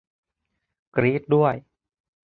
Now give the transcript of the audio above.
กรี๊ดด้วย !